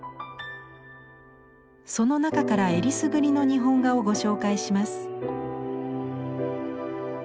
その中からえりすぐりの日本画をご紹介します。